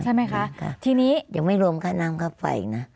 ใช่ไหมคะทีนี้ยังไม่รวมค่าน้ำค่าไฟอีกนะ